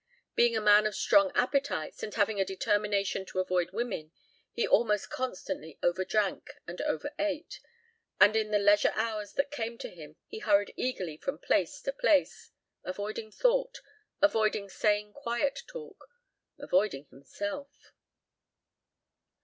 Being a man of strong appetites, and having a determination to avoid women, he almost constantly overdrank and overate, and in the leisure hours that came to him he hurried eagerly from place to place, avoiding thought, avoiding sane quiet talk, avoiding himself.